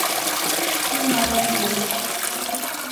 ایہھاں آیا ناں دیس